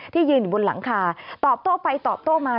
ยืนอยู่บนหลังคาตอบโต้ไปตอบโต้มา